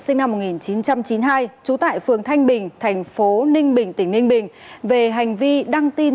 sinh năm một nghìn chín trăm chín mươi hai trú tại phường thanh bình thành phố ninh bình tỉnh ninh bình về hành vi đăng tin